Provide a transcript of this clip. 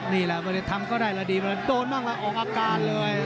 นี่แหละบริษัททำก็ได้แล้วดีโดนบ้างแล้วออกอาการเลย